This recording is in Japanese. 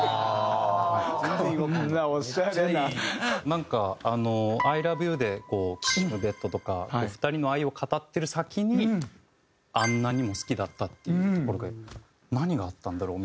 なんか『ＩＬＯＶＥＹＯＵ』で「きしむベッド」とか２人の愛を語ってる先に「あんなにも好きだった」っていうところで何があったんだろう？